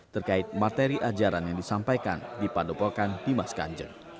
terkait materi ajaran yang disampaikan di padepokan dimas kanjeng